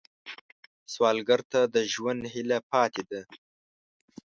سوالګر ته د ژوند هیله پاتې ده